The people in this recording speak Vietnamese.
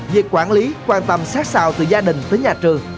việc quản lý quan tâm sát sao từ gia đình tới nhà trường